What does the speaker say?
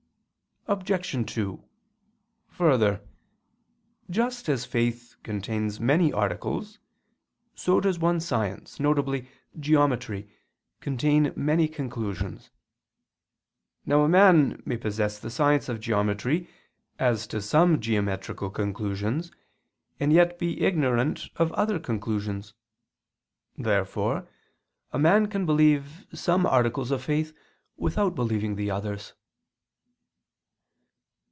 Obj. 2: Further, just as faith contains many articles, so does one science, viz. geometry, contain many conclusions. Now a man may possess the science of geometry as to some geometrical conclusions, and yet be ignorant of other conclusions. Therefore a man can believe some articles of faith without believing the others.